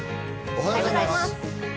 おはようございます。